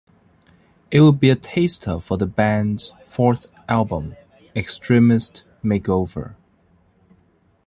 It would be a taster for the band's fourth album "Extremist Makeover".